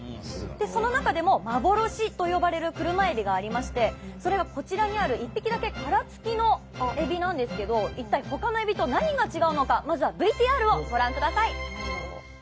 その中でも幻と呼ばれる車えびがありましてそれがこちらにある１匹だけ殻付きのえびなんですけど一体ほかのえびと何が違うのかまずはＶＴＲをご覧ください。